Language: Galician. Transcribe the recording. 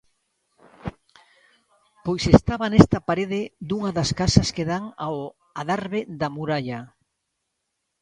Pois estaba nesta parede dunha das casas que dan ao adarve da muralla.